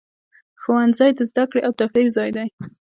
ښوونځی د زده کړې او تفریح ځای دی.